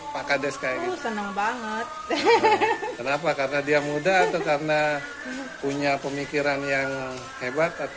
pak kades kayak gitu senang banget kenapa karena dia muda atau karena punya pemikiran yang hebat atau